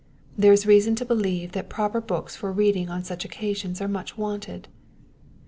There is reason to believe that proper books for reading on such occasions are much wanted.